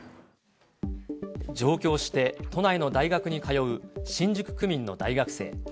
上京して都内の大学に通う新宿区民の大学生。